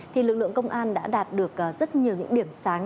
thì lực lượng công an đã đạt được rất nhiều những điểm sáng